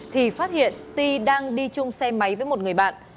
thì phát hiện ti đang đi chung xe máy với một người bạn